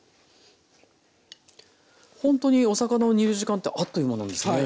ほんとにお魚を煮る時間ってあっという間なんですね。